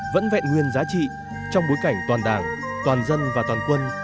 vẫn vẹn nguyên giá trị trong bối cảnh toàn đảng toàn dân và toàn quân